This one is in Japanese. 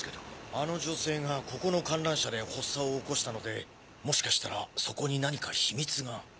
あの女性がここの観覧車で発作を起こしたのでもしかしたらそこに何か秘密が。